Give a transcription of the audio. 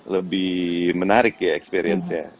lebih menarik ya experience nya